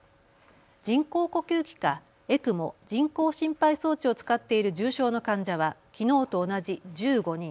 人工呼吸器かＥＣＭＯ・人工心肺装置を使っている重症の患者はきのうと同じ１５人。